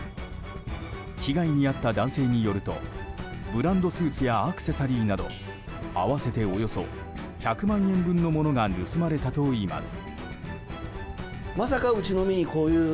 被害に遭った男性によるとブランドスーツやアクセサリーなど合わせておよそ１００万円分のものが盗まれたといいます。